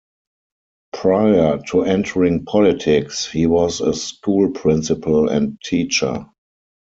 Prior to entering politics, he was a school principal and teacher.